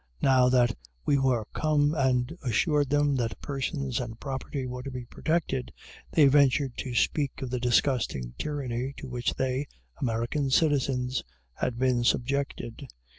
Now that we were come and assured them that persons and property were to be protected, they ventured to speak of the disgusting tyranny to which they, American citizens, had been subjected.